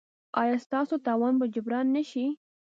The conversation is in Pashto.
ایا ستاسو تاوان به جبران نه شي؟